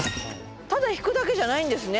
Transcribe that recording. ただ敷くだけじゃないんですね。